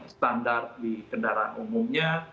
standar di kendaraan umum nya